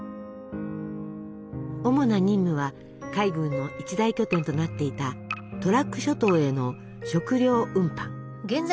主な任務は海軍の一大拠点となっていたトラック諸島への食糧運搬。